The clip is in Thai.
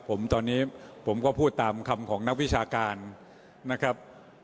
ผมตอนนี้ผมก็พูดตามคำของนักวิชาการนะครับ